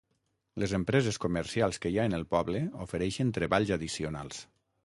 Les empreses comercials que hi ha en el poble, ofereixen treballs addicionals.